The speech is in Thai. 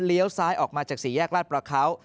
เลี้ยวซ้ายออกมาจากสี่แยกลาดประเขา